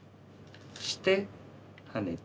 そしてハネて。